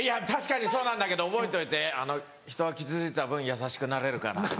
確かにそうなんだけど覚えといて。人は傷ついた分優しくなれるから。